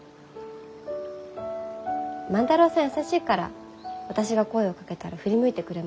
万太郎さん優しいから私が声をかけたら振り向いてくれます。